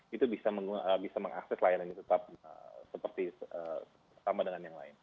komunikasi data yang lain itu bisa mengakses layanan yang tetap sama dengan yang lain